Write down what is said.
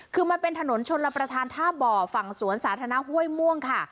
คือมันเป็นถนนชนรับประทานท่าบ่อฝั่งสวนสาธารณะห้วยม่วงค่ะ